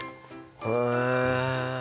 へえ。